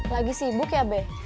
lagi sibuk ya beh